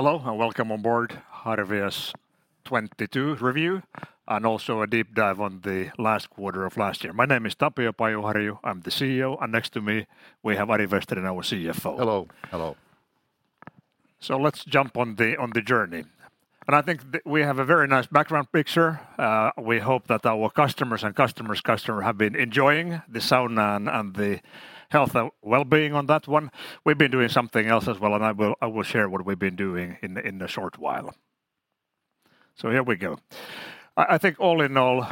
Hello, and welcome on board Harvia's 2022 review, and also a deep dive on the last quarter of last year. My name is Tapio Pajuharju. I'm the CEO, and next to me we have Ari Vesterinen, our CFO. Hello. Hello. Let's jump on the journey. I think we have a very nice background picture. We hope that our customers and customer's customer have been enjoying the sauna and the health and wellbeing on that one. We've been doing something else as well, and I will share what we've been doing in a short while. Here we go. I think all in all,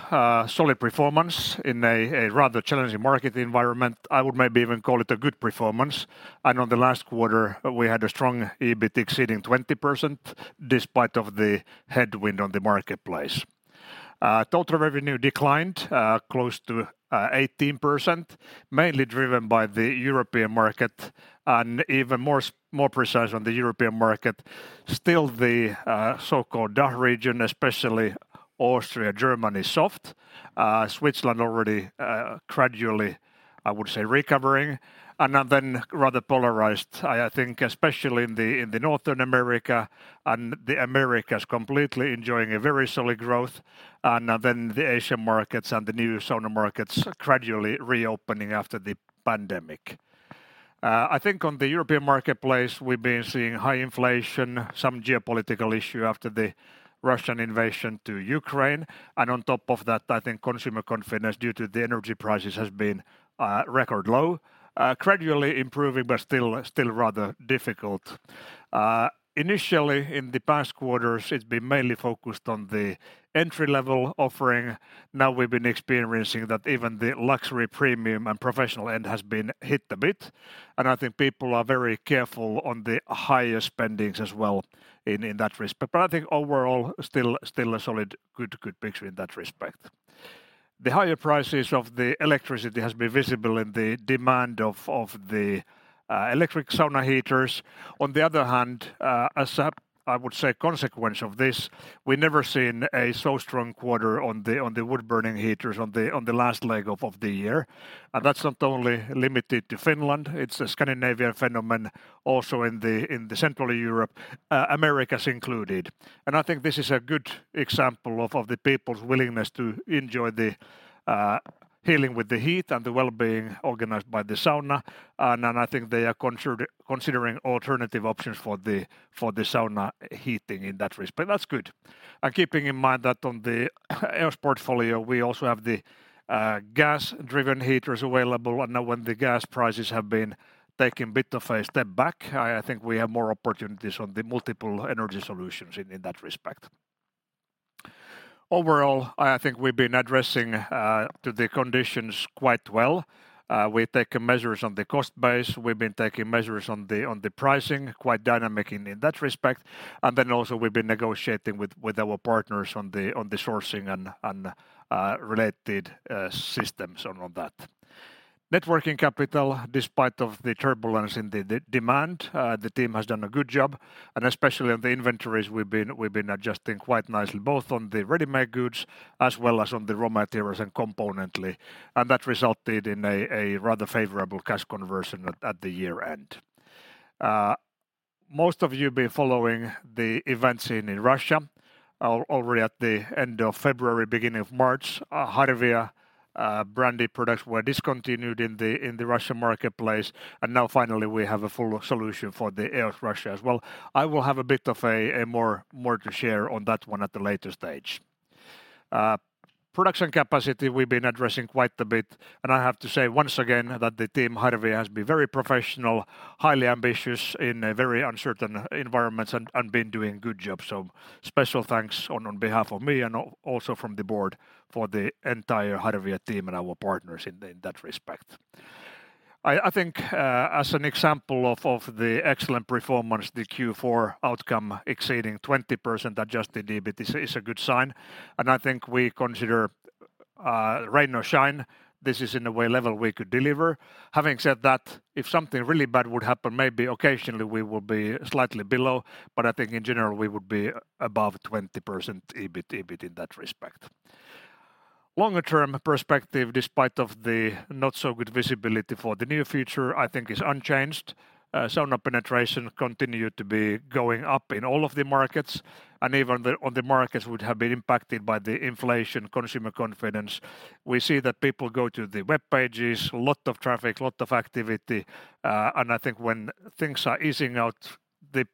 solid performance in a rather challenging market environment. I would maybe even call it a good performance. On the last quarter we had a strong EBIT exceeding 20% despite of the headwind on the marketplace. Total revenue declined close to 18%, mainly driven by the European market and even more precise on the European market, still the so-called DACH region, especially Austria, Germany, soft. Switzerland already gradually, I would say, recovering. Rather polarized, I think especially in the Northern America and the Americas completely enjoying a very solid growth, then the Asian markets and the new sauna markets gradually reopening after the pandemic. I think on the European marketplace, we've been seeing high inflation, some geopolitical issue after the Russian invasion to Ukraine, and on top of that, I think consumer confidence due to the energy prices has been record low. Gradually improving, but still rather difficult. Initially in the past quarters, it's been mainly focused on the entry-level offering. We've been experiencing that even the luxury premium and professional end has been hit a bit, and I think people are very careful on the higher spendings as well in that respect. I think overall still a solid good picture in that respect. The higher prices of the electricity has been visible in the demand of the electric sauna heaters. On the other hand, as a consequence of this, we've never seen a so strong quarter on the wood-burning heaters on the last leg of the year. That's not only limited to Finland. It's a Scandinavian phenomenon also in the Central Europe, Americas included. I think this is a good example of the people's willingness to enjoy the healing with the heat and the wellbeing organized by the sauna, and I think they are considering alternative options for the sauna heating in that respect. That's good. Keeping in mind that on the EOS portfolio, we also have the gas-driven heaters available. Now when the gas prices have been taking a bit of a step back, I think we have more opportunities on the multiple energy solutions in that respect. Overall, I think we've been addressing to the conditions quite well. We've taken measures on the cost base. We've been taking measures on the pricing, quite dynamic in that respect. Also we've been negotiating with our partners on the sourcing and related systems on that. Net working capital, despite of the turbulence in the demand, the team has done a good job. Especially on the inventories we've been adjusting quite nicely, both on the ready-made goods as well as on the raw materials and components, and that resulted in a rather favorable cash conversion at the year-end. Most of you've been following the events in Russia. Already at the end of February, beginning of March, Harvia branded products were discontinued in the Russian marketplace. Now finally we have a full solution for the EOS Russia as well. I will have a bit of a more to share on that one at a later stage. Production capacity we've been addressing quite a bit. I have to say once again that the team Harvia has been very professional, highly ambitious in a very uncertain environment and been doing a good job. Special thanks on behalf of me and also from the board for the entire Harvia team and our partners in that respect. I think, as an example of the excellent performance, the Q4 outcome exceeding 20% adjusted EBIT is a good sign, and I think we consider, rain or shine, this is in a way level we could deliver. Having said that, if something really bad would happen, maybe occasionally we will be slightly below. I think in general we would be above 20% EBIT in that respect. Longer-term perspective, despite of the not so good visibility for the near future, I think is unchanged. Sauna penetration continued to be going up in all of the markets, and even the, on the markets would have been impacted by the inflation consumer confidence. We see that people go to the web pages, lot of traffic, lot of activity, and I think when things are easing out the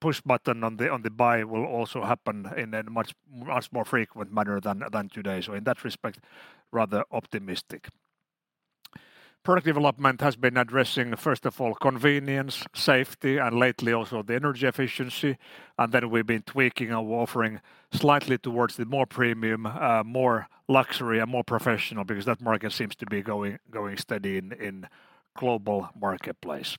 push button on the, on the buy will also happen in a much, much more frequent manner than today. In that respect, rather optimistic. Product development has been addressing, first of all, convenience, safety, and lately also the energy efficiency. We've been tweaking our offering slightly towards the more premium, more luxury and more professional because that market seems to be going steady in global marketplace.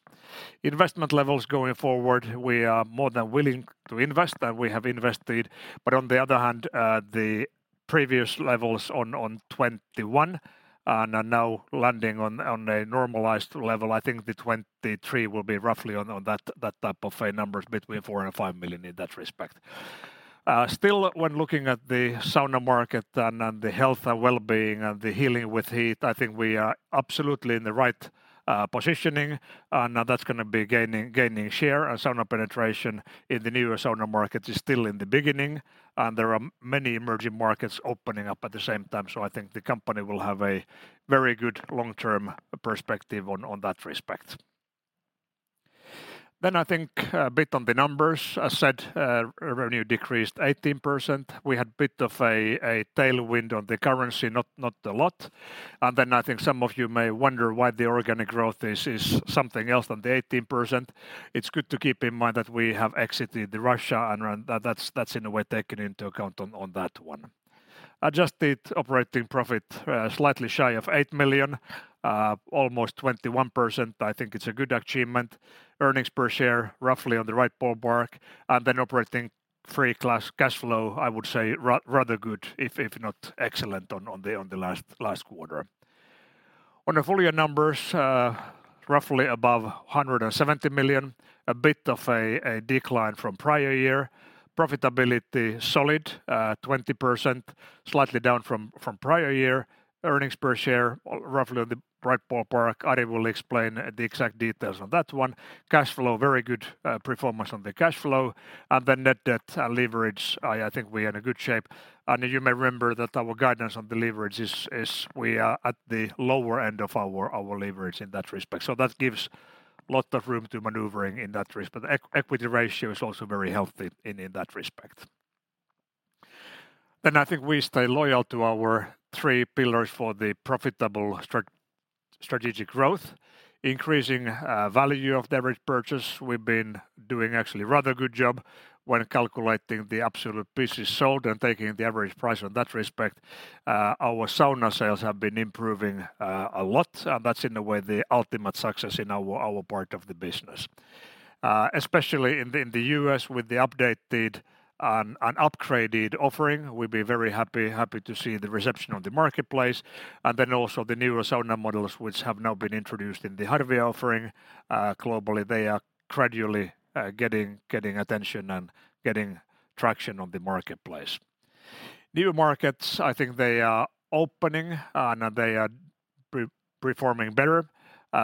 Investment levels going forward, we are more than willing to invest, and we have invested, on the other hand, the previous levels on 2021 are now landing on a normalized level. I think 2023 will be roughly on that type of a numbers, between 4 million and 5 million in that respect. Still when looking at the sauna market and the health and wellbeing and the healing with heat, I think we are absolutely in the right positioning, and that's gonna be gaining share. Our sauna penetration in the newer sauna market is still in the beginning, and there are many emerging markets opening up at the same time. I think the company will have a very good long-term perspective on that respect. I think a bit on the numbers. As said, revenue decreased 18%. We had a bit of a tailwind on the currency, not a lot. I think some of you may wonder why the organic growth is something else than the 18%. It's good to keep in mind that we have exited Russia and that's in a way taken into account on that one. Adjusted operating profit, slightly shy of 8 million, almost 21%. I think it's a good achievement. Earnings per share roughly on the right ballpark. Operating free cash flow, I would say rather good if not excellent on the last quarter. On the full year numbers, roughly above 170 million, a bit of a decline from prior year. Profitability solid, 20%, slightly down from prior year. Earnings per share roughly in the right ballpark. Ari will explain the exact details on that one. Cash flow, very good performance on the cash flow. Net debt and leverage, I think we're in a good shape. You may remember that our guidance on the leverage is we are at the lower end of our leverage in that respect. That gives lot of room to maneuvering in that respect. Equity ratio is also very healthy in that respect. I think we stay loyal to our three pillars for the profitable strategic growth. Increasing value of the average purchase, we've been doing actually rather good job when calculating the absolute pieces sold and taking the average price on that respect. Our sauna sales have been improving a lot. That's in a way the ultimate success in our part of the business. Especially in the U.S. with the updated and upgraded offering, we've been very happy to see the reception on the marketplace. Also the newer sauna models which have now been introduced in the Harvia offering, globally, they are gradually getting attention and getting traction on the marketplace. New markets, I think they are opening and they are performing better.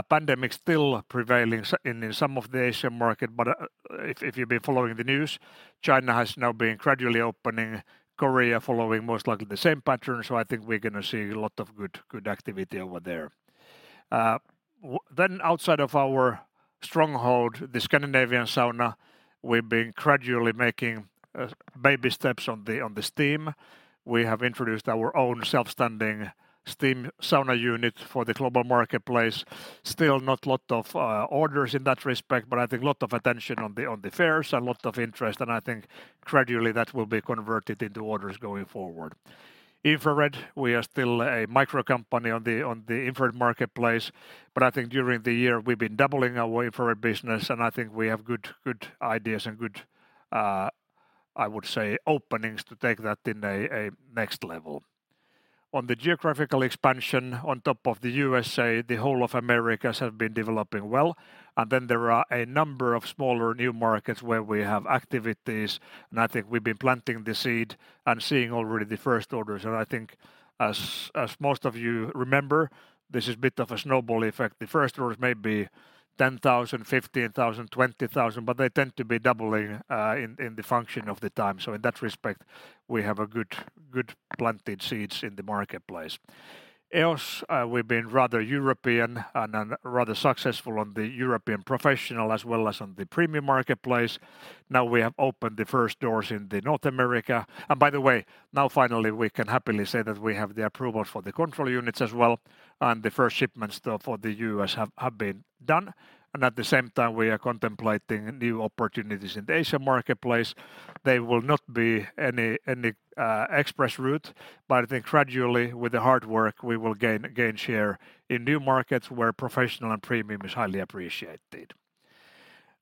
Pandemic still prevailing in some of the Asian market, if you've been following the news, China has now been gradually opening, Korea following most likely the same pattern. I think we're gonna see a lot of good activity over there. Outside of our stronghold, the Scandinavian sauna, we've been gradually making baby steps on the steam. We have introduced our own self-standing steam sauna unit for the global marketplace. Still not lot of orders in that respect, but I think a lot of attention on the fairs and lot of interest. I think gradually that will be converted into orders going forward. Infrared, we are still a micro company on the infrared marketplace, but I think during the year, we've been doubling our infrared business, and I think we have good ideas and good, I would say, openings to take that in a next level. On the geographical expansion, on top of the USA, the whole of Americas have been developing well. There are a number of smaller new markets where we have activities, and I think we've been planting the seed and seeing already the first orders. I think as most of you remember, this is a bit of a snowball effect. The first orders may be 10,000, 15,000, 20,000, but they tend to be doubling in the function of the time. In that respect, we have a good planted seeds in the marketplace. EOS, we've been rather European and rather successful on the European professional as well as on the premium marketplace. Now we have opened the first doors in North America. By the way, now finally we can happily say that we have the approval for the control units as well, and the first shipments to, for the U.S. have been done. At the same time, we are contemplating new opportunities in the Asia marketplace. They will not be any express route, but I think gradually with the hard work, we will gain share in new markets where professional and premium is highly appreciated.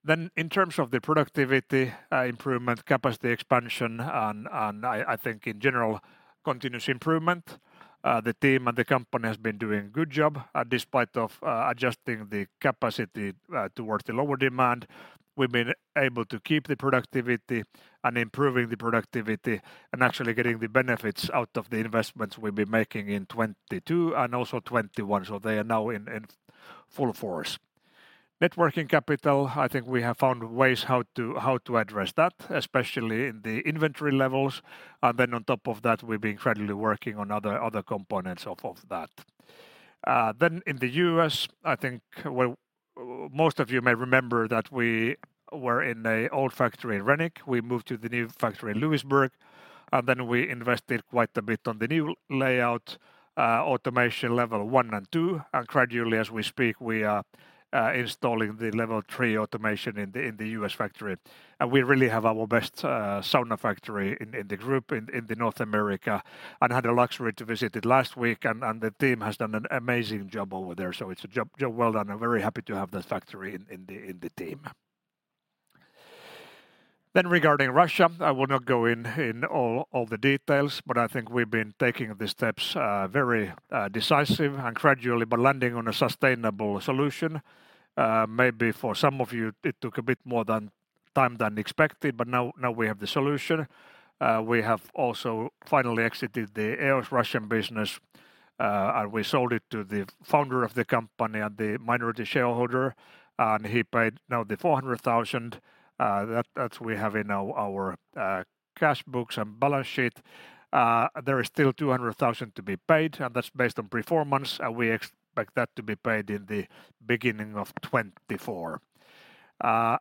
In terms of the productivity improvement, capacity expansion and I think in general continuous improvement, the team and the company has been doing a good job at despite of adjusting the capacity towards the lower demand. We've been able to keep the productivity and improving the productivity and actually getting the benefits out of the investments we've been making in 2022 and also 2021. They are now in full force. Net working capital, I think we have found ways how to address that, especially in the inventory levels. On top of that, we've been gradually working on other components of that. In the U.S., I think well most of you may remember that we were in a old factory in Renick. We moved to the new factory in Lewisburg, and then we invested quite a bit on the new layout, automation level one and two. Gradually as we speak, we are installing the level three automation in the U.S. factory. We really have our best sauna factory in the group in the North America and had a luxury to visit it last week and the team has done an amazing job over there. It's a job well done. I'm very happy to have that factory in the team. Regarding Russia, I will not go in all the details, but I think we've been taking the steps, very decisive and gradually, but landing on a sustainable solution. Maybe for some of you it took a bit more than time than expected, but now we have the solution. We have also finally exited the EOS Russian business, and we sold it to the founder of the company and the minority shareholder, and he paid now 400,000 that we have in our cash books and balance sheet. There is still 200,000 to be paid, and that's based on performance, and we expect that to be paid in the beginning of 2024. I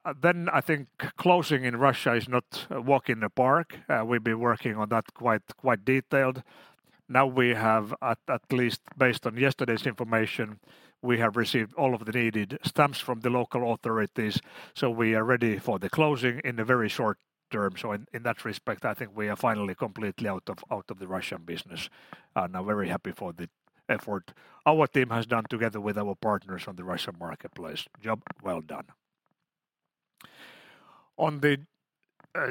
think closing in Russia is not a walk in the park. We've been working on that quite detailed. Now we have at least based on yesterday's information, we have received all of the needed stamps from the local authorities, so we are ready for the closing in the very short term. In that respect, I think we are finally completely out of the Russian business. I'm very happy for the effort our team has done together with our partners on the Russian marketplace. Job well done. On the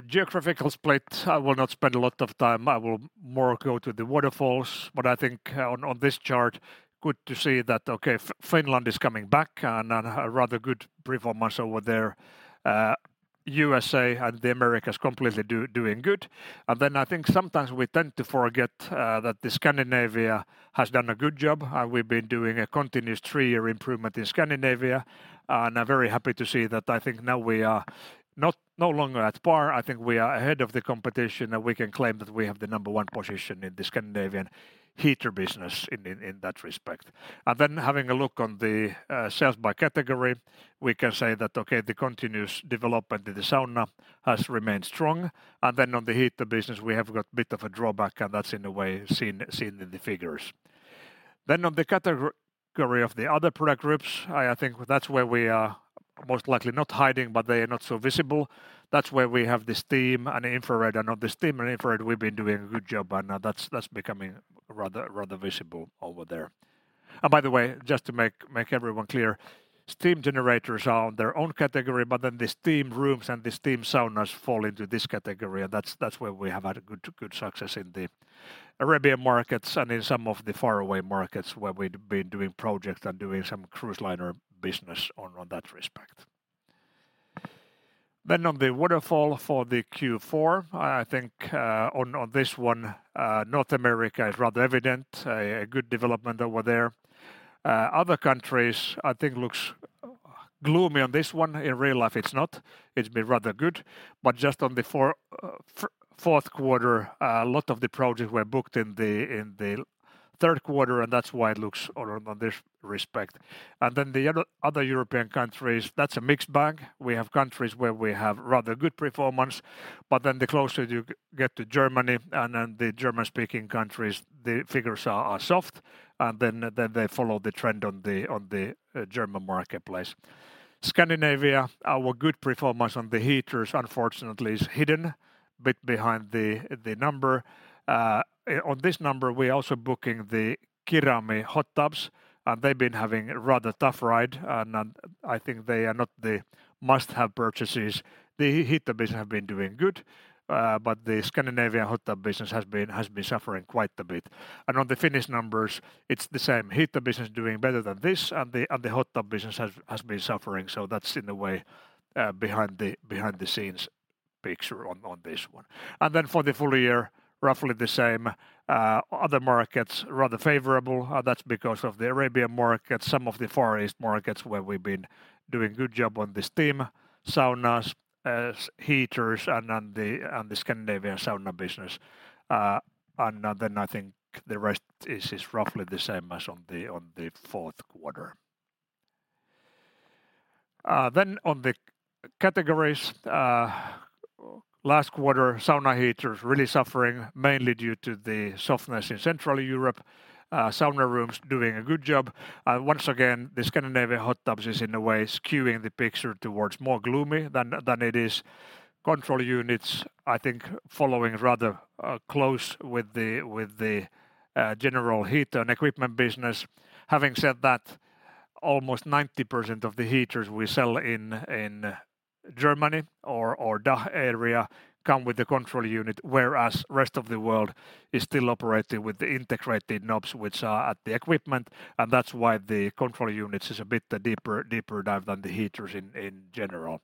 geographical split, I will not spend a lot of time. I will more go to the waterfalls, but I think on this chart, good to see that, okay, Finland is coming back and a rather good performance over there. USA and the Americas completely doing good. Then I think sometimes we tend to forget that the Scandinavia has done a good job. We've been doing a continuous three-year improvement in Scandinavia. I'm very happy to see that. I think now we are no longer at par. I think we are ahead of the competition, and we can claim that we have the number one position in the Scandinavian heater business in that respect. Having a look on the sales by category, we can say that, okay, the continuous development in the sauna has remained strong. On the heater business, we have got a bit of a drawback, and that's in a way seen in the figures. On the category of the other product groups, I think that's where we are most likely not hiding, but they are not so visible. That's where we have the steam and infrared. On the steam and infrared, we've been doing a good job, and now that's becoming rather visible over there. By the way, just to make everyone clear, steam generators are on their own category, but then the steam rooms and the steam saunas fall into this category, and that's where we have had good success in the Arabian markets and in some of the faraway markets where we've been doing projects and doing some cruise liner business on that respect. On the waterfall for the Q4, I think on this one, North America is rather evident, a good development over there. Other countries I think looks gloomy on this one. In real life, it's not. It's been rather good. Just on the fourth quarter, a lot of the projects were booked in the third quarter, and that's why it looks on this respect. The other European countries, that's a mixed bag. We have countries where we have rather good performance. The closer you get to Germany and then the German-speaking countries, the figures are soft, and they follow the trend on the German marketplace. Scandinavia, our good performance on the heaters unfortunately is hidden bit behind the number. On this number, we're also booking the Kirami hot tubs. They've been having a rather tough ride, and I think they are not the must-have purchases. The heater business have been doing good, the Scandinavian hot tub business has been suffering quite a bit. On the Finnish numbers, it's the same. Heater business doing better than this, and the hot tub business has been suffering. That's in a way, behind the scenes picture on this one. For the full year, roughly the same. Other markets rather favorable. That's because of the Arabian markets, some of the Far East markets where we've been doing good job on the steam saunas, heaters and on the Scandinavian sauna business. I think the rest is roughly the same as on the fourth quarter. On the categories, last quarter, sauna heaters really suffering mainly due to the softness in Central Europe. Sauna rooms doing a good job. Once again, the Scandinavian hot tubs is in a way skewing the picture towards more gloomy than it is. Control units, I think, following rather close with the general heater and equipment business. Having said that, almost 90% of the heaters we sell in Germany or DACH area come with a control unit, whereas rest of the world is still operating with the integrated knobs which are at the equipment. That's why the control units is a bit deeper dive than the heaters in general.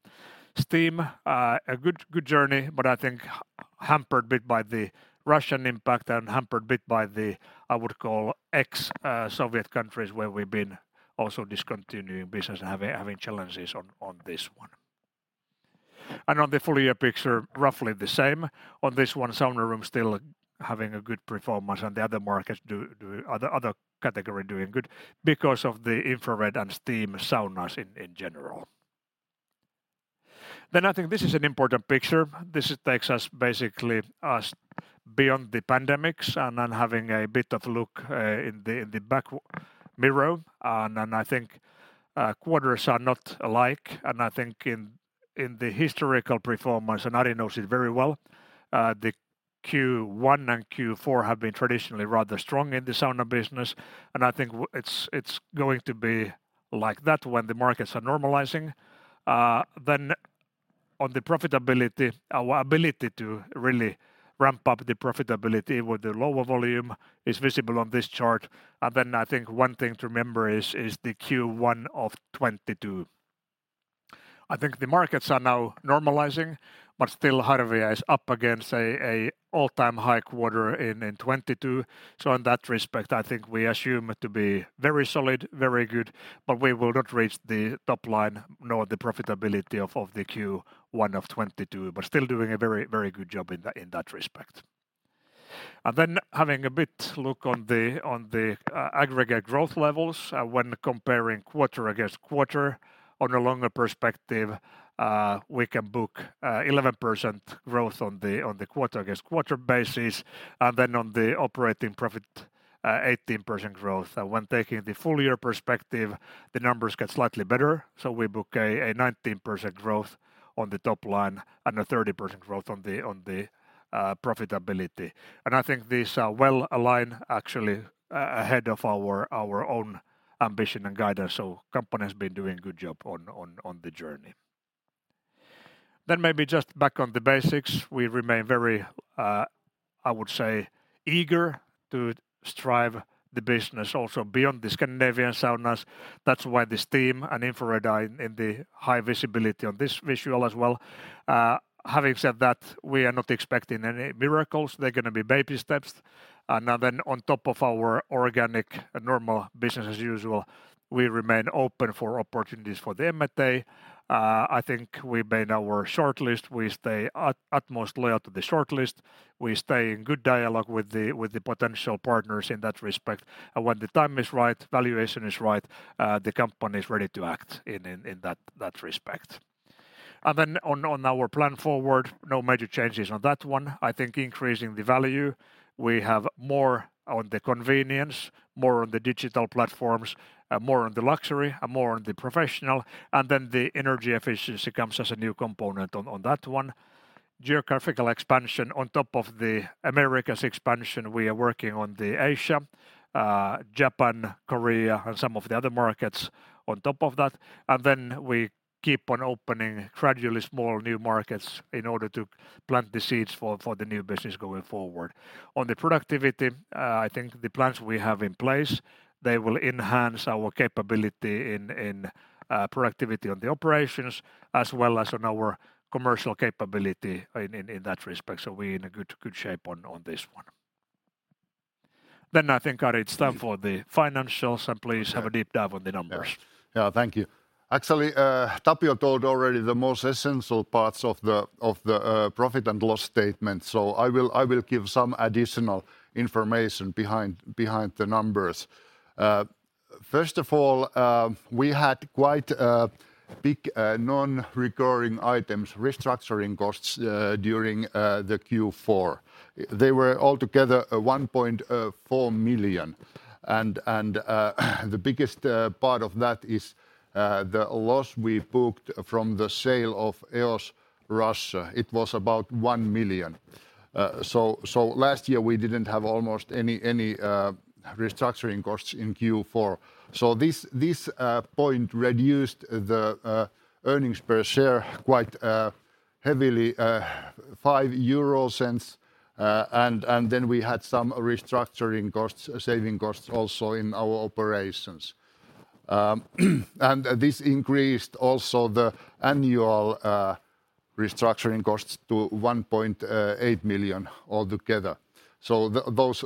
Steam, a good journey, but I think hampered bit by the Russian impact and hampered bit by the, I would call, ex-Soviet countries where we've been also discontinuing business and having challenges on this one. On the full year picture, roughly the same. On this one, sauna rooms still having a good performance, the other markets do other category doing good because of the infrared and steam saunas in general. I think this is an important picture. This takes us basically beyond the pandemics having a bit of look in the back mirror. I think quarters are not alike, I think in the historical performance, and Ari knows it very well, the Q1 and Q4 have been traditionally rather strong in the sauna business. I think it's going to be like that when the markets are normalizing. On the profitability, our ability to really ramp up the profitability with the lower volume is visible on this chart. I think one thing to remember is the Q1 of 2022. I think the markets are now normalizing, but still Harvia is up against a all-time high quarter in 2022. In that respect, I think we assume it to be very solid, very good, but we will not reach the top line nor the profitability of the Q1 of 2022. Still doing a very, very good job in that respect. Having a bit look on the aggregate growth levels, when comparing quarter-against-quarter on a longer perspective, we can book 11% growth on the quarter-against-quarter basis, and then on the operating profit, 18% growth. When taking the full year perspective, the numbers get slightly better. We book a 19% growth on the top line and a 30% growth on the profitability. I think these are well aligned actually, ahead of our own ambition and guidance. Company has been doing a good job on the journey. Maybe just back on the basics. We remain very, I would say, eager to strive the business also beyond the Scandinavian saunas. That's why the steam and infrared are in the high visibility on this visual as well. Having said that, we are not expecting any miracles. They're gonna be baby steps. Now then on top of our organic normal business as usual, we remain open for opportunities for the M&A. I think we made our shortlist. We stay utmost loyal to the shortlist. We stay in good dialogue with the potential partners in that respect. When the time is right, valuation is right, the company is ready to act in that respect. On our plan forward, no major changes on that one. I think increasing the value, we have more on the convenience, more on the digital platforms, more on the luxury and more on the professional, the energy efficiency comes as a new component on that one. Geographical expansion. On top of the Americas expansion, we are working on the Asia, Japan, Korea and some of the other markets on top of that. We keep on opening gradually small new markets in order to plant the seeds for the new business going forward. On the productivity, I think the plans we have in place, they will enhance our capability in productivity on the operations as well as on our commercial capability in that respect. We're in a good shape on this one. I think, Ari, it's time for the financials and please have a deep dive on the numbers. Yeah, thank you. Actually, Tapio told already the most essential parts of the profit and loss statement. I will give some additional information behind the numbers. First of all, we had quite big non-recurring items, restructuring costs, during the Q4. They were altogether 1.4 million and the biggest part of that is the loss we booked from the sale of EOS Russia. It was about 1 million. So last year we didn't have almost any restructuring costs in Q4. This point reduced the earnings per share quite heavily, 0.05. And then we had some restructuring costs, saving costs also in our operations. This increased also the annual restructuring costs to 1.8 million altogether. Those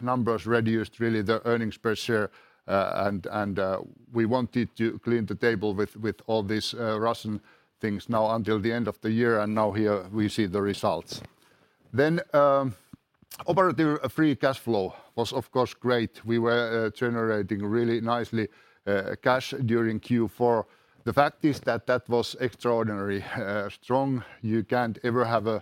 numbers reduced really the earnings per share. We wanted to clean the table with all these Russian things now until the end of the year. Now here we see the results. Operating free cash flow was of course great. We were generating really nicely cash during Q4. The fact is that that was extraordinary strong. You can't ever have a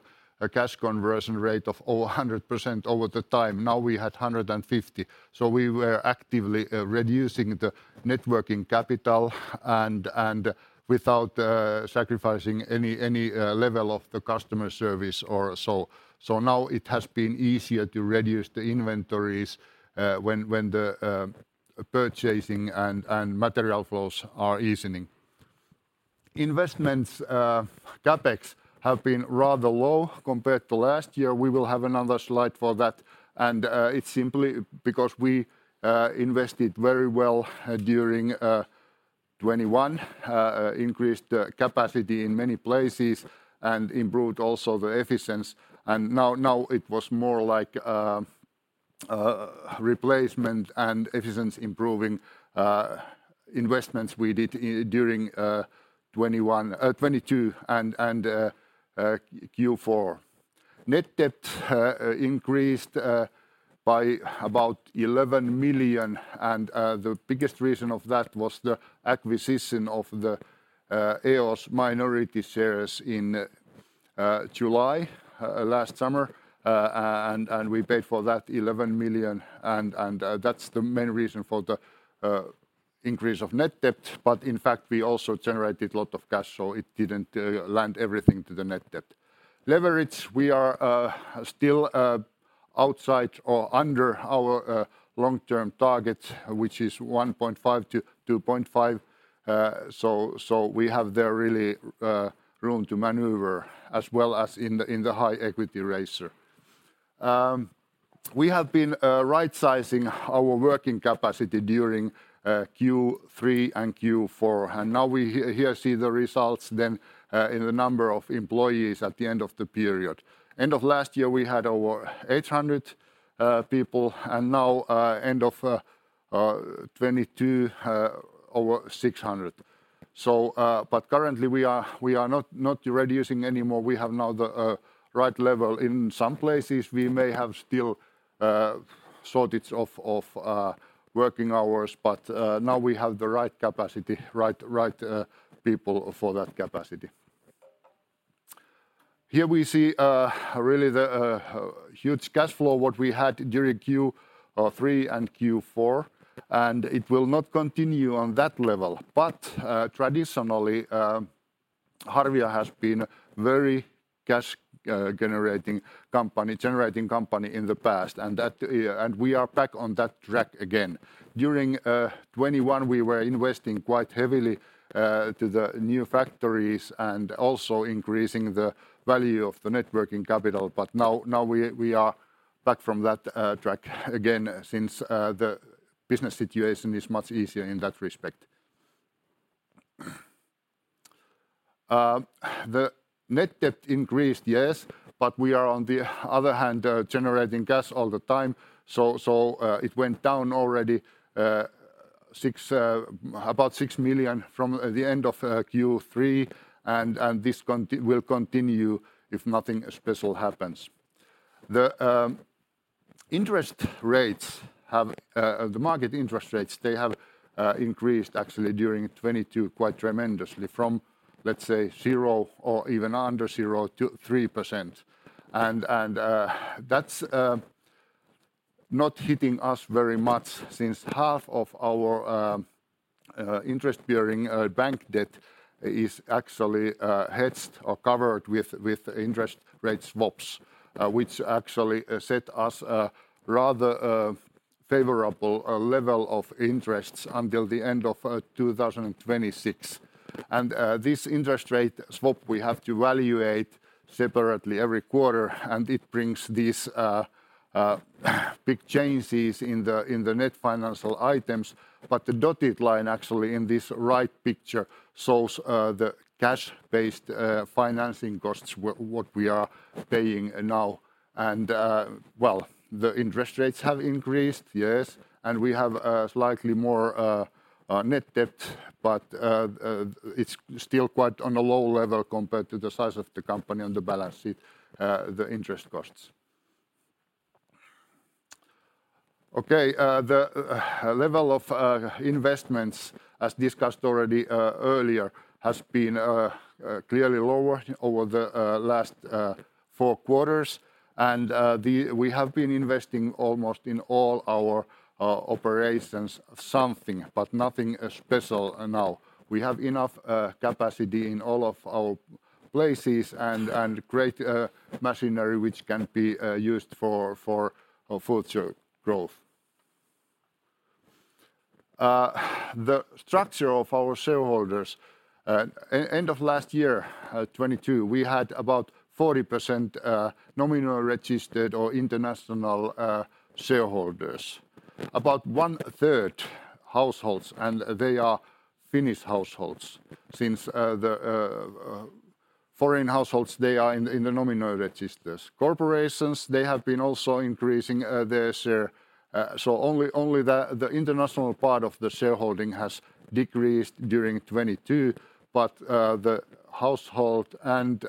cash conversion rate of over 100% over the time. Now we had 150%. We were actively reducing the net working capital and without sacrificing any level of the customer service or so. Now it has been easier to reduce the inventories, when the purchasing and material flows are easing. Investments, CapEx have been rather low compared to last year. We will have another slide for that. It's simply because we invested very well during 2021, increased the capacity in many places and improved also the efficiency. Now it was more like replacement and efficiency improving investments we did during 2021, 2022 and Q4. Net debt increased by about 11 million and the biggest reason of that was the acquisition of the EOS minority shares in July last summer, and we paid for that 11 million and that's the main reason for the increase of net debt. In fact, we also generated a lot of cash, so it didn't lend everything to the net debt. Leverage. We are still outside or under our long-term target, which is 1.5-2.5. We have there really room to maneuver as well as in the high equity ratio. We have been right-sizing our working capacity during Q3 and Q4. We see the results then in the number of employees at the end of the period. End of last year, we had over 800 people, and now end of 2022, over 600. Currently we are not reducing anymore. We have now the right level. In some places we may have still shortage of working hours, now we have the right capacity, right people for that capacity. Here we see really the huge cash flow, what we had during Q3 and Q4, and it will not continue on that level. Traditionally, Harvia has been very cash generating company in the past, and that and we are back on that track again. During 2021 we were investing quite heavily to the new factories and also increasing the value of the net working capital. Now we are back from that track again since the business situation is much easier in that respect. The net debt increased, yes, but we are on the other hand generating cash all the time. So it went down already about 6 million from the end of Q3, and this will continue if nothing special happens. The interest rates have. The market interest rates, they have increased actually during 2022 quite tremendously from, let's say zero or even under zero to 3%. That's not hitting us very much since half of our interest bearing bank debt is actually hedged or covered with interest rate swaps, which actually set us a rather favorable level of interests until the end of 2026. This interest rate swap, we have to evaluate separately every quarter and it brings these big changes in the net financial items. The dotted line actually in this right picture shows the cash-based financing costs what we are paying now. Well, the interest rates have increased, yes, and we have slightly more net debt, but it's still quite on a low level compared to the size of the company on the balance sheet, the interest costs. Okay. The level of investments, as discussed already earlier, has been clearly lower over the last four quarters. We have been investing almost in all our operations something, but nothing special now. We have enough capacity in all of our places and great machinery which can be used for future growth. The structure of our shareholders. End of last year, 2022, we had about 40% nominal registered or international shareholders. About one-third households, and they are Finnish households, since the foreign households, they are in the nominal registers. Corporations, they have been also increasing their share. Only the international part of the shareholding has decreased during 2022, but the household and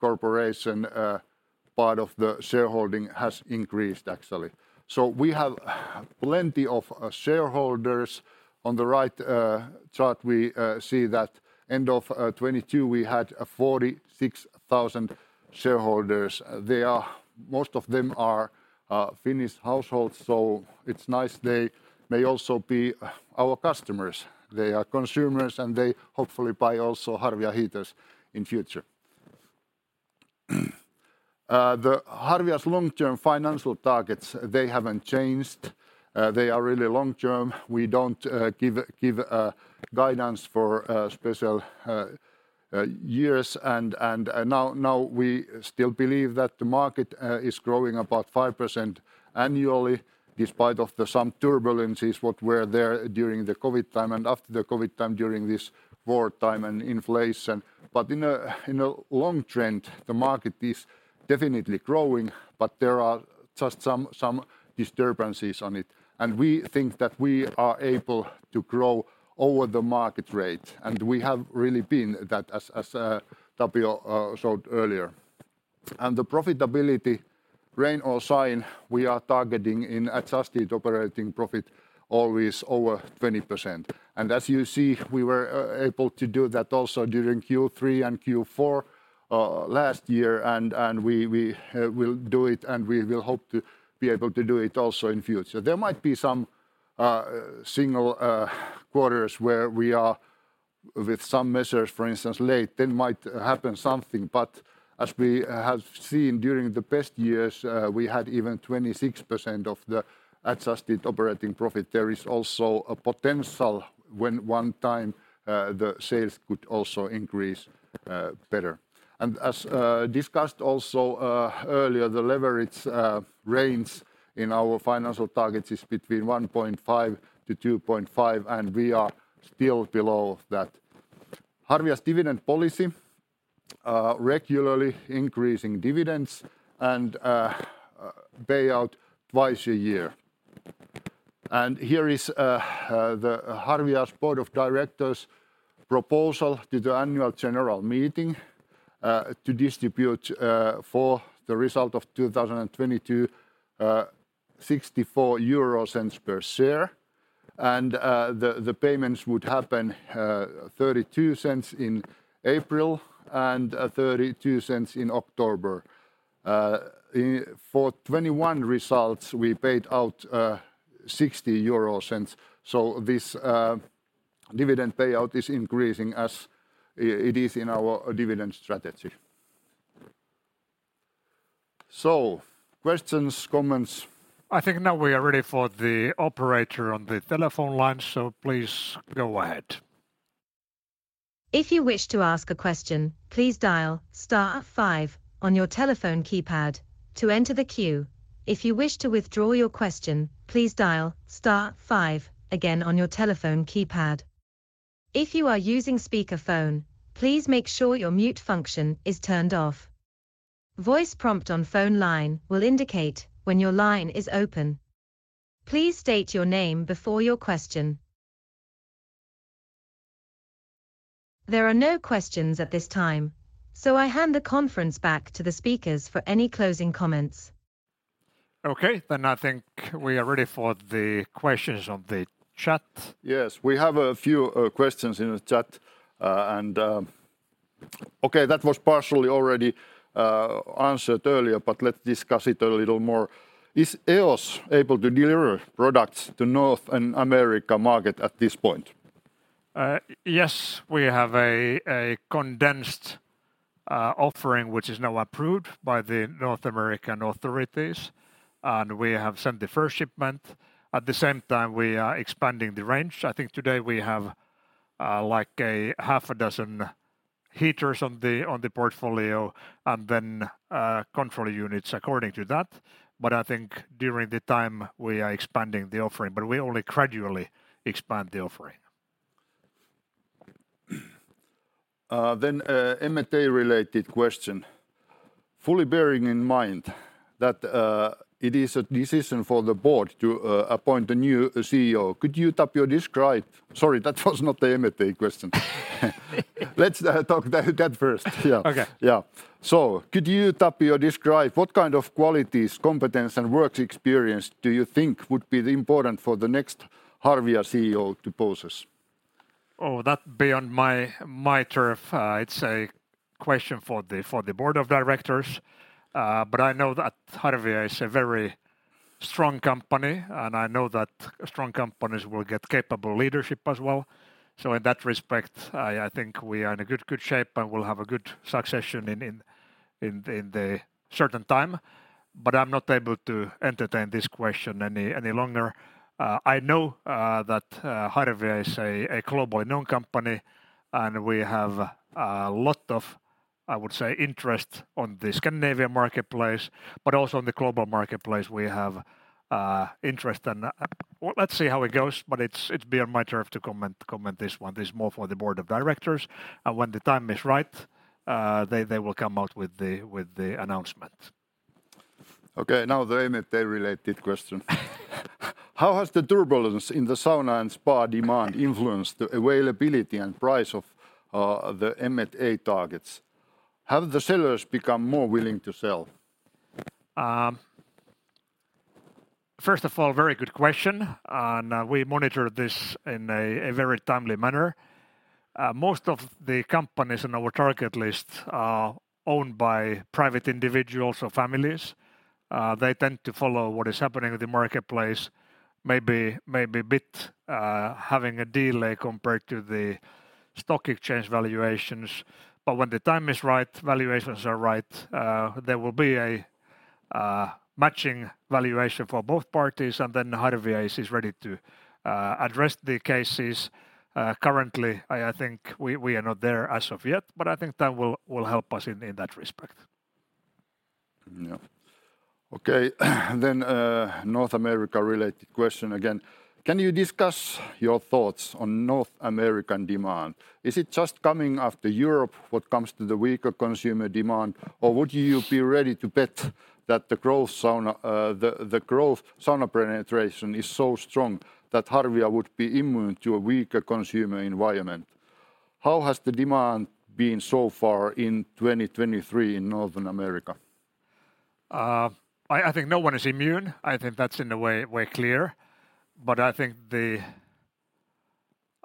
corporation part of the shareholding has increased actually. We have plenty of shareholders. On the right chart, we see that end of 2022, we had 46,000 shareholders. Most of them are Finnish households, so it's nice they may also be our customers. They are consumers, and they hopefully buy also Harvia heaters in future. The Harvia's long-term financial targets, they haven't changed. They are really long-term. We don't give guidance for special years and now we still believe that the market is growing about 5% annually despite of the some turbulences what were there during the COVID time and after the COVID time during this war time and inflation. In a long trend, the market is definitely growing, but there are just some disturbances on it, and we think that we are able to grow over the market rate, and we have really been that as Tapio showed earlier. The profitability rain or shine, we are targeting an adjusted operating profit always over 20%. As you see, we were able to do that also during Q3 and Q4 last year, and we will do it and we will hope to be able to do it also in future. There might be some single quarters where we are with some measures, for instance, late, then might happen something. As we have seen during the best years, we had even 26% of the adjusted operating profit. There is also a potential when one time the sales could also increase better. As discussed also earlier, the leverage range in our financial targets is between 1.5-2.5, and we are still below that. Harvia's dividend policy, regularly increasing dividends and payout twice a year. Here is the Harvia's board of directors' proposal to the annual general meeting, to distribute, for the result of 2022, EUR 0.64 per share. The payments would happen, 0.32 in April and 0.32 in October. For 2021 results, we paid out 0.60 euros, so this dividend payout is increasing as it is in our dividend strategy. Questions, comments? I think now we are ready for the operator on the telephone line, so please go ahead. If you wish to ask a question, please dial star five on your telephone keypad to enter the queue. If you wish to withdraw your question, please dial star five again on your telephone keypad. If you are using speakerphone, please make sure your mute function is turned off. Voice prompt on phone line will indicate when your line is open. Please state your name before your question. There are no questions at this time. I hand the conference back to the speakers for any closing comments. Okay. I think we are ready for the questions on the chat. Yes. We have a few, questions in the chat. Okay, that was partially already, answered earlier, but let's discuss it a little more. Is EOS able to deliver products to North and America market at this point? Yes, we have a condensed offering which is now approved by the North American authorities, and we have sent the first shipment. At the same time, we are expanding the range. I think today we have like a half a dozen heaters on the portfolio and then control units according to that. I think during the time we are expanding the offering, but we only gradually expand the offering. M&A-related question. Fully bearing in mind that, it is a decision for the board to appoint a new CEO, could you, Tapio, describe... Sorry, that was not the M&A question. Let's talk that first. Yeah. Okay. Yeah. Could you, Tapio, describe what kind of qualities, competence, and work experience do you think would be important for the next Harvia CEO to possess? Oh, that beyond my turf. It's a question for the board of directors. I know that Harvia is a very strong company, and I know that strong companies will get capable leadership as well. In that respect, I think we are in a good shape and will have a good succession in the certain time. I'm not able to entertain this question any longer. I know that Harvia is a global known company, and we have lot of, I would say, interest on the Scandinavian marketplace, but also on the global marketplace we have interest. Let's see how it goes, but it's beyond my turf to comment this one. This is more for the board of directors. When the time is right, they will come out with the announcement. Now the M&A-related question. How has the turbulence in the sauna and spa demand influenced the availability and price of the M&A targets? Have the sellers become more willing to sell? First of all, very good question. We monitor this in a very timely manner. Most of the companies in our target list are owned by private individuals or families. They tend to follow what is happening in the marketplace, maybe a bit having a delay compared to the stock exchange valuations. When the time is right, valuations are right, there will be a matching valuation for both parties, and then Harvia is ready to address the cases. Currently, I think we are not there as of yet, but I think time will help us in that respect. Yeah. Okay. North America-related question again. Can you discuss your thoughts on North American demand? Is it just coming after Europe what comes to the weaker consumer demand, or would you be ready to bet that the growth sauna, the growth sauna penetration is so strong that Harvia would be immune to a weaker consumer environment? How has the demand been so far in 2023 in North America? I think no one is immune. I think that's in a way clear. I think the,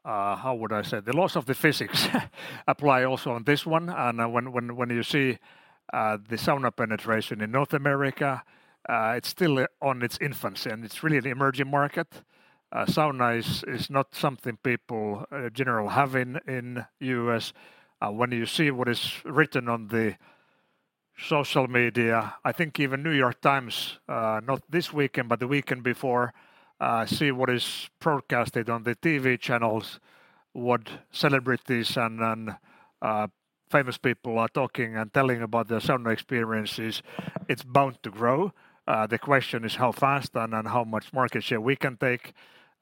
how would I say? The laws of the physics apply also on this one. When you see the sauna penetration in North America, it's still on its infancy, and it's really an emerging market. Sauna is not something people general have in U.S. When you see what is written on the social media, I think even The New York Times, not this weekend, but the weekend before, see what is broadcasted on the TV channels, what celebrities and famous people are talking and telling about their sauna experiences. It's bound to grow. The question is how fast and how much market share we can take.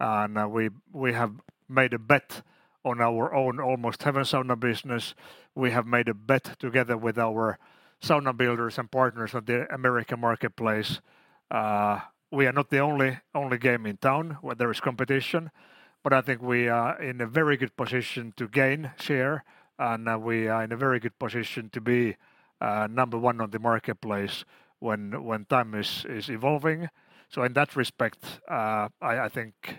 We have made a bet on our own Almost Heaven Saunas business. We have made a bet together with our sauna builders and partners at the American marketplace. We are not the only game in town where there is competition, but I think we are in a very good position to gain share. We are in a very good position to be number one on the marketplace when time is evolving. In that respect, I think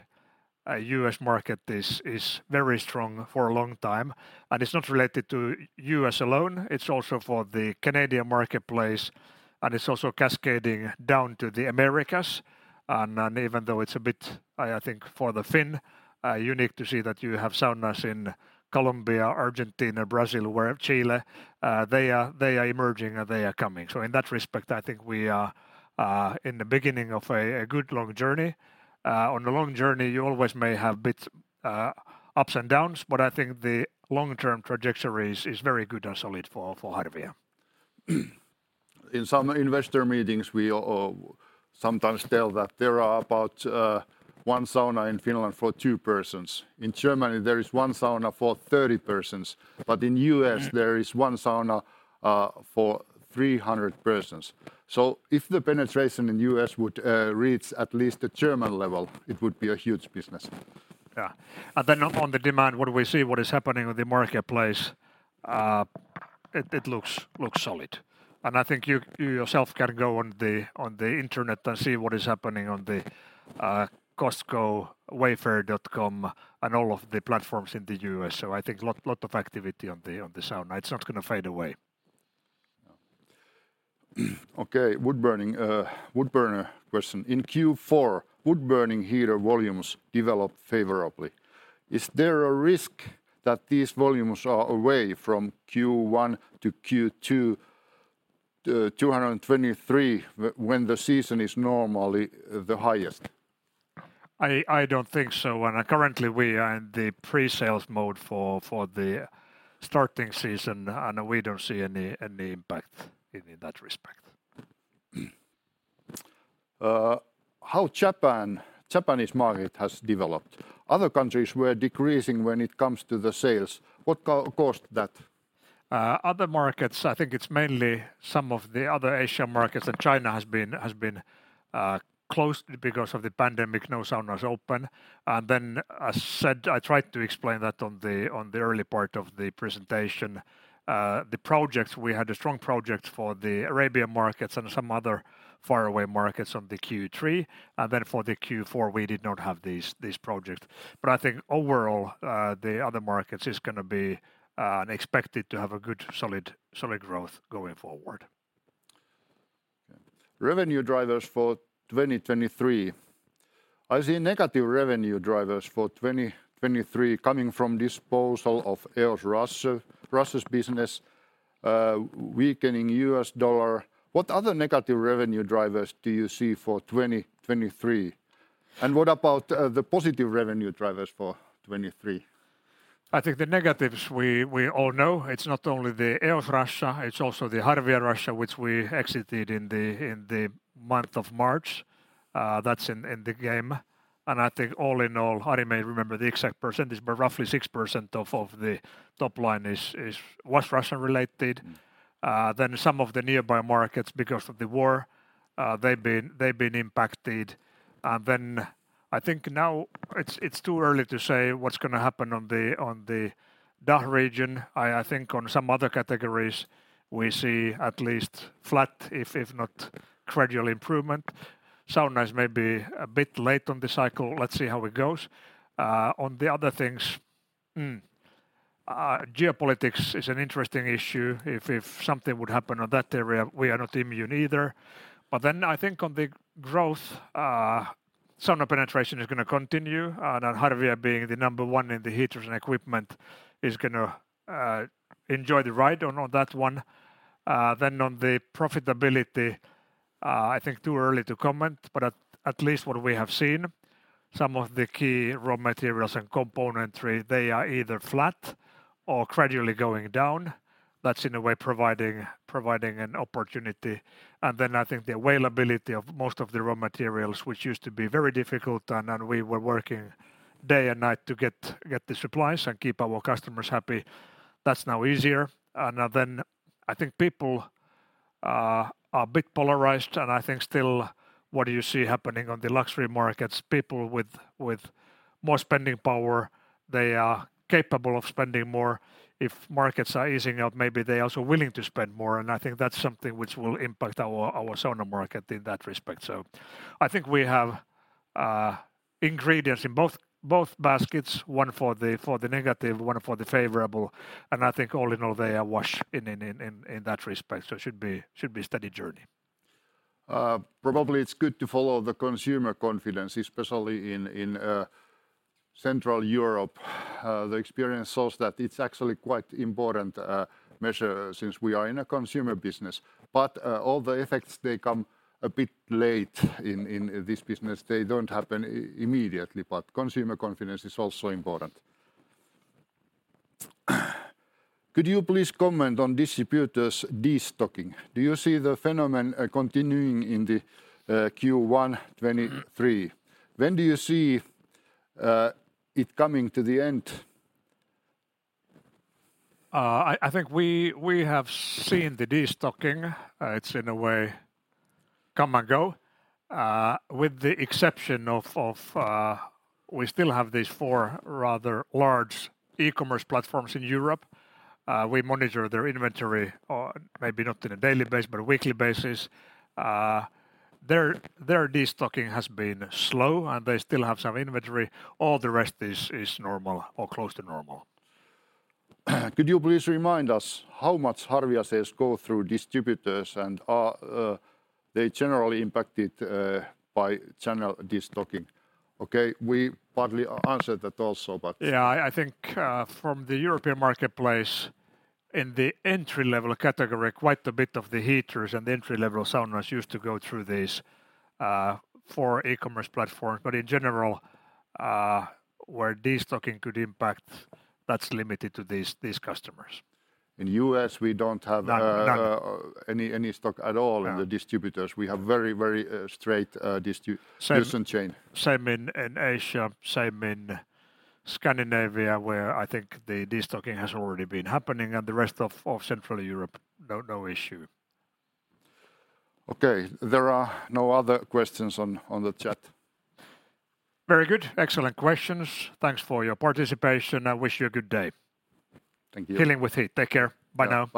a U.S. market is very strong for a long time, and it's not related to U.S. alone. It's also for the Canadian marketplace, and it's also cascading down to the Americas and even though it's a bit, I think for the Finn, unique to see that you have saunas in Colombia, Argentina, Brazil, where Chile, they are emerging, and they are coming. In that respect, I think we are in the beginning of a good long journey. On a long journey you always may have bit, ups and downs, I think the long-term trajectory is very good and solid for Harvia. In some investor meetings, we sometimes tell that there are about one sauna in Finland for two persons. In Germany, there is one sauna for 30 persons. Mm-hmm ...there is one sauna, for 300 persons. If the penetration in U.S. would reach at least the German level, it would be a huge business. Yeah. Then on the demand, what do we see what is happening on the marketplace? It looks solid. I think you yourself can go on the internet and see what is happening on the Costco, Wayfair and all of the platforms in the U.S. I think lot of activity on the sauna. It's not gonna fade away. Yeah. Okay. Wood-burning, wood burner question. In Q4, wood-burning heater volumes developed favorably. Is there a risk that these volumes are away from Q1 to Q2, 2023 when the season is normally the highest? I don't think so. Currently we are in the pre-sales mode for the starting season, and we don't see any impact in that respect. How Japanese market has developed? Other countries were decreasing when it comes to the sales. What caused that? Other markets, I think it's mainly some of the other Asian markets that China has been closed because of the pandemic. No saunas open. As said, I tried to explain that on the early part of the presentation. The projects, we had a strong project for the Arabian markets and some other faraway markets on the Q3. For the Q4, we did not have these projects. I think overall, the other markets is gonna be expected to have a good solid growth going forward. Revenue drivers for 2023. I see negative revenue drivers for 2023 coming from disposal of EOS Russia's business, weakening U.S. dollar. What other negative revenue drivers do you see for 2023? What about the positive revenue drivers for 2023? I think the negatives we all know. It's not only the EOS Russia, it's also the Harvia Russia, which we exited in the month of March. That's in the game. I think all in all, Ari may remember the exact percentage, but roughly 6% of the top line was Russian-related. Mm-hmm. Then some of the nearby markets, because of the war, they've been impacted. I think now it's too early to say what's gonna happen on the DACH region. I think on some other categories we see at least flat if not gradual improvement. Saunas may be a bit late on the cycle. Let's see how it goes. On the other things, geopolitics is an interesting issue. If something would happen on that area, we are not immune either. I think on the growth, sauna penetration is gonna continue and Harvia being the number one in the heaters and equipment is gonna enjoy the ride on that one. On the profitability, I think too early to comment, but at least what we have seen, some of the key raw materials and componentry, they are either flat or gradually going down. That's in a way providing an opportunity. I think the availability of most of the raw materials, which used to be very difficult, and we were working day and night to get the supplies and keep our customers happy, that's now easier. I think people are a bit polarized, and I think still what you see happening on the luxury markets, people with more spending power, they are capable of spending more. If markets are easing up, maybe they're also willing to spend more, and I think that's something which will impact our sauna market in that respect. I think we have ingredients in both baskets: one for the negative, one for the favorable. I think all in all, they are wash in that respect, so it should be a steady journey. Probably it's good to follow the consumer confidence, especially in Central Europe. The experience shows that it's actually quite important measure since we are in a consumer business. All the effects they come a bit late in this business. They don't happen immediately, but consumer confidence is also important. Could you please comment on distributors destocking? Do you see the phenomenon continuing in Q1 '23? When do you see it coming to the end? I think we have seen the destocking. It's in a way come and go, with the exception of... We still have these four rather large e-commerce platforms in Europe. We monitor their inventory, or maybe not on a daily basis, but a weekly basis. Their destocking has been slow, and they still have some inventory. All the rest is normal or close to normal. Could you please remind us how much Harvia sales go through distributors and are, they generally impacted, by channel destocking? We partly answered that also. I think, from the European marketplace, in the entry-level category, quite a bit of the heaters and the entry-level saunas used to go through these, four e-commerce platforms. In general, where destocking could impact, that's limited to these customers. In U.S., we don't have, None. None. any stock at all. Yeah in the distributors. We have very straight. Same... distribution chain. Same in Asia, same in Scandinavia, where I think the destocking has already been happening and the rest of Central Europe, no issue. Okay. There are no other questions on the chat. Very good. Excellent questions. Thanks for your participation. I wish you a good day. Thank you. Dealing with heat. Take care. Bye now.